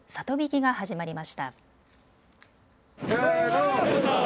曳きが始まりました。